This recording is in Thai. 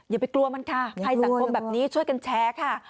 อย่าไปกลัวมันค่ะภัยสังคมแบบนี้ช่วยกันแชร์ค่ะ